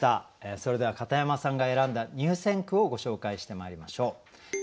それでは片山さんが選んだ入選句をご紹介してまいりましょう。